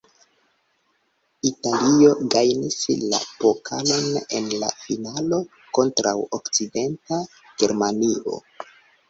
Italio gajnis la pokalon en la finalo kontraŭ Okcidenta Germanio.